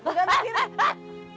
gua gak ngantung diri